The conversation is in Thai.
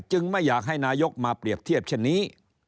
ไม่อยากให้นายกมาเปรียบเทียบเช่นนี้